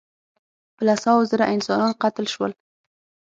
په لس هاوو زره انسانان قتل شول.